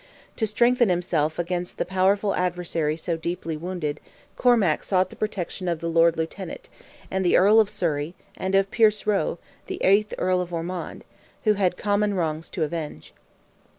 To strengthen himself against the powerful adversary so deeply wounded, Cormac sought the protection of the Lord Lieutenant, the Earl of Surrey, and of Pierce Roe, the eighth Earl of Ormond, who had common wrongs to avenge.